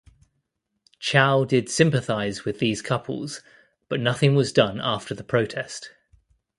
Chow did sympathise with these couples, but nothing was done after the protest.